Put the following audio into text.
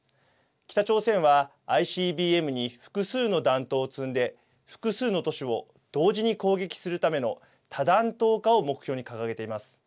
北朝鮮はＩＣＢＭに複数の弾頭を積んで複数の都市を同時に攻撃するための多弾頭化を目標に掲げています。